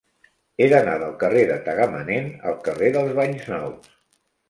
He d'anar del carrer de Tagamanent al carrer dels Banys Nous.